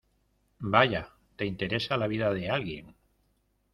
vaya, te interesa la vida de alguien.